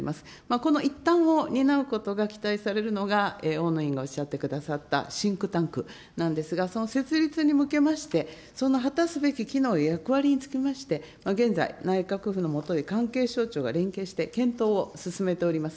この一端を担うことが期待されるのが、大野委員がおっしゃってくださったシンクタンクなんですが、その設立に向けまして、その果たすべき機能や役割につきまして、現在、内閣府の下で関係省庁が連携して検討を進めております。